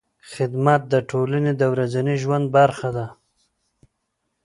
خدمت د ټولنې د ورځني ژوند برخه ده.